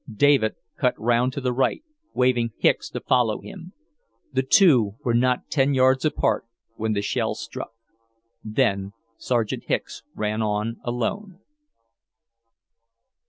David cut round to the right, waving Hicks to follow him. The two were not ten yards apart when the shell struck. Then Sergeant Hicks ran on alone.